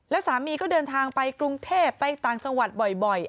แล้วสามีก็เดินทางไปกรุงเทพไปต่างจังหวัดบ่อย